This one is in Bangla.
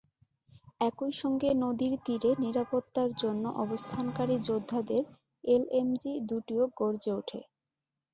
একই সঙ্গে নদীর তীরে নিরাপত্তার জন্য অবস্থানকারী যোদ্ধাদের এলএমজি দুটিও গর্জে ওঠে।